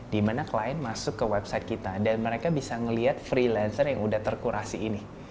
dimana klien masuk ke website kita dan mereka bisa melihat freelancer yang udah terkurasi ini